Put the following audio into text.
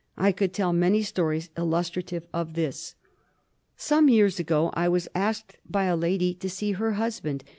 I could tell many stories illustrative of this. Some years ago I was asked by a lady to see her husband.